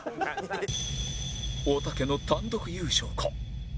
おたけの単独優勝か？